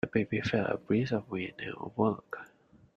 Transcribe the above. The baby felt a breeze of wind and awoke.